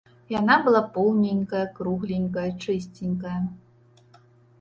Яна была поўненькая, кругленькая, чысценькая.